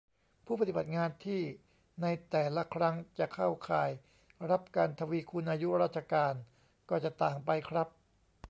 ผู้ปฏิบัติงานที่ในแต่ละครั้งจะเข้าข่ายรับการทวีคูณอายุราชการ ก็จะต่างไปครับ